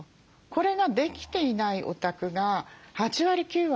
これができていないお宅が８割９割です。